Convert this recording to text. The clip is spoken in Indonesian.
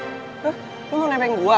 hah lo mau nebeng gue